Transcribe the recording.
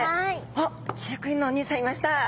あっ飼育員のおにいさんいました。